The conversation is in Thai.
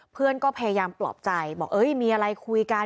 เพื่อนก็พยายามปลอบใจบอกมีอะไรคุยกัน